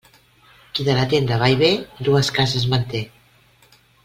Qui de la tenda va i ve, dues cases manté.